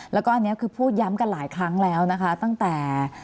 แล้วก็อันนี้คือพูดย้ำกันหลายครั้งแล้วนะคะตั้งแต่